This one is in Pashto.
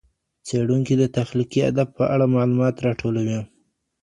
څېړونکی د تخلیقي ادب په اړه معلومات راټولوي.